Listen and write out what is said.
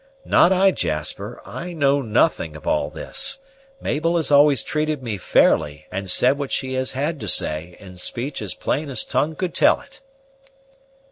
"Not I, Jasper; I know nothing of all this. Mabel has always treated me fairly, and said what she has had to say in speech as plain as tongue could tell it."